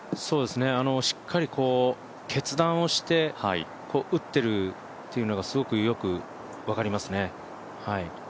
しっかり決断して、打っているというのがすごくよく分かりますね。